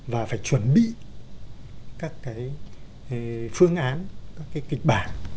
và phải chuẩn bị các cái phương án các cái kịch bản